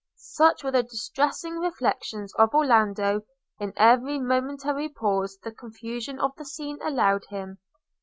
Such were the distressing reflections of Orlando in every momentary pause the confusion of the scene allowed him.